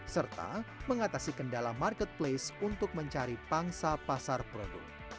serta mengatasi kendala marketplace untuk mencari pangsa pasar produk